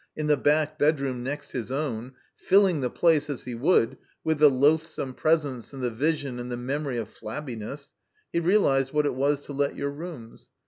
in the back bedroom next his own, filling the place (as he would) with the loathsome presence and the vision and the memory of Flabbiness, he realized what it was to let yotu* rooms.